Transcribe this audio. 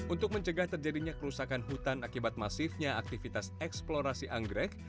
untuk mencegah terjadinya kerusakan hutan akibat masifnya aktivitas eksplorasi anggrek